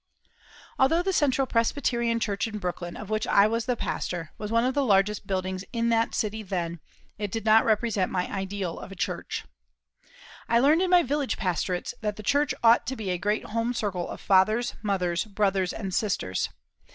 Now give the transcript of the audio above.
Although the Central Presbyterian Church in Brooklyn of which I was pastor was one of the largest buildings in that city then, it did not represent my ideal of a church. I learned in my village pastorates that the Church ought to be a great home circle of fathers, mothers, brothers, and sisters.